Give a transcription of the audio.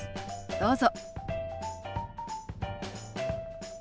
どうぞ。